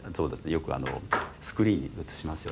よくスクリーンに映しますよね。